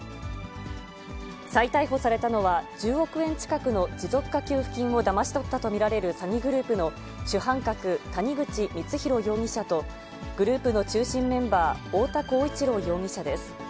再逮捕されたのは、１０億円近くの持続化給付金をだまし取ったと見られる詐欺グループの主犯格、谷口光弘容疑者と、グループの中心メンバー、太田浩一朗容疑者です。